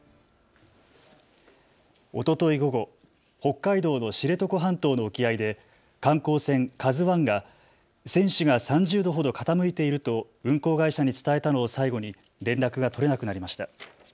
おととい午後、北海道の知床半島の沖合で観光船、ＫＡＺＵＩが船首が３０度ほど傾いていると運航会社に伝えたのを最後に連絡が取れなくなりました。